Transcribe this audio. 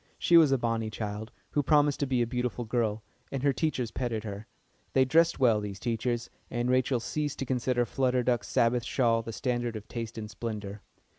She was a bonny child, who promised to be a beautiful girl, and her teachers petted her. They dressed well, these teachers, and Rachel ceased to consider Flutter Duck's Sabbath shawl the standard of taste and splendour.